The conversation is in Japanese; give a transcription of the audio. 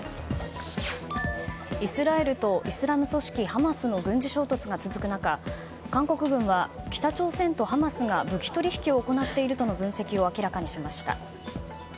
イスラエルとイスラム組織ハマスの軍事衝突が続く中、韓国軍は北朝鮮とハマスが武器取引を行っているとの分析を明らかにしました。